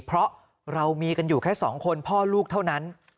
เพราะเรามีกันอยู่แค่๒คนพ่อลูกเท่านั้น